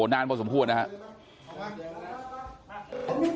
นานพอสมควรนะครับ